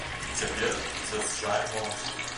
І цяпер з'язджае моладзь.